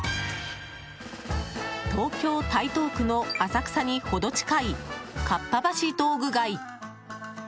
東京・台東区の浅草に程近いかっぱ橋道具街。